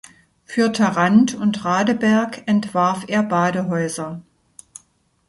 Für Tharandt und Radeberg entwarf er Badehäuser.